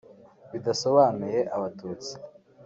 bidasobanuye Abatutsi